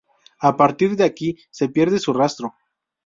A partir de aquí se pierde su rastro.